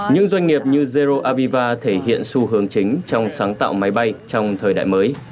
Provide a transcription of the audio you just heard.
những doanh nghiệp như erdo avivar thể hiện xu hướng chính trong sáng tạo máy bay trong thời đại mới